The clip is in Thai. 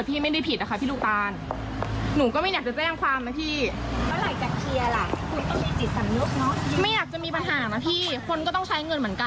เรียกสำรวจมาเลย